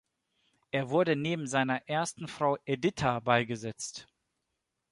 Er wurde neben seiner ersten Frau Editha beigesetzt.